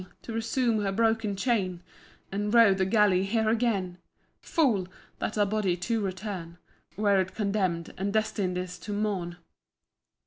to resume her broken chain, And row the galley here again! Fool! to that body to return, Where it condemn'd and destin'd is to mourn!